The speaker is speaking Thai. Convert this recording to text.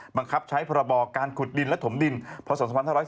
บังคับใช้พรบการขุดดินและถมดินพศ๒๕๔